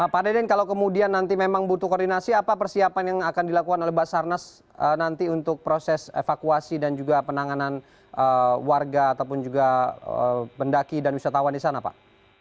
pak deden kalau kemudian nanti memang butuh koordinasi apa persiapan yang akan dilakukan oleh basarnas nanti untuk proses evakuasi dan juga penanganan warga ataupun juga pendaki dan wisatawan di sana pak